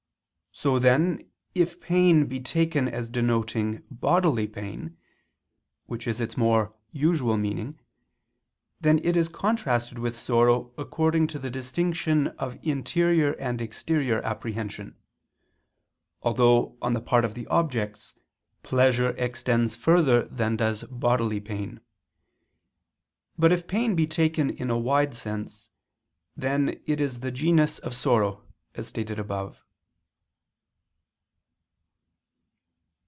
So then if pain be taken as denoting bodily pain, which is its more usual meaning, then it is contrasted with sorrow, according to the distinction of interior and exterior apprehension; although, on the part of the objects, pleasure extends further than does bodily pain. But if pain be taken in a wide sense, then it is the genus of sorrow, as stated above.